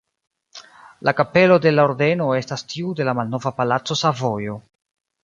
La kapelo de la Ordeno estas tiu de la malnova palaco Savojo.